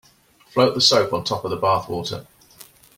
Float the soap on top of the bath water.